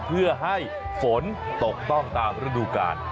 เพื่อให้ฝนตกต้องตามฤดูกาล